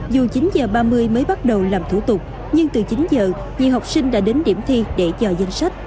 dù chín h ba mươi mới bắt đầu làm thủ tục nhưng từ chín giờ nhiều học sinh đã đến điểm thi để chờ danh sách